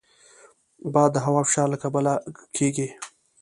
باد د هوا فشار له کبله کېږي